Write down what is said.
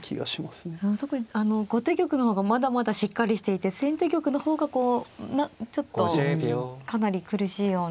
後手玉の方がまだまだしっかりしていて先手玉の方がこうちょっとかなり苦しいような。